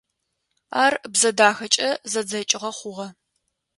Ар бзэ дахэкӏэ зэдзэкӏыгъэ хъугъэ.